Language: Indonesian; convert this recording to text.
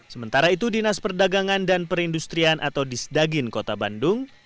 sementara itu dinas perdagangan dan perindustrian atau disdagin kota bandung